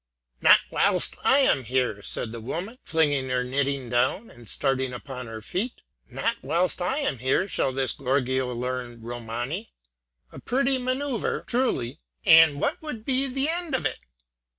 "Not whilst I am here," said the woman, flinging her knitting down, and starting upon her feet; "not whilst I am here shall this gorgio learn Romany. A pretty manoeuvre, truly; and what would be the end of it?